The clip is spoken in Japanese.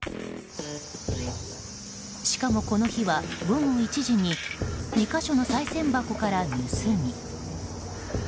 しかも、この日は午後１時に２か所のさい銭箱から盗み。